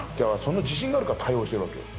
自信があるから多用してるわけよ。